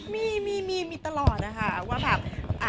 มีมีมีมีตลอดอะค่ะ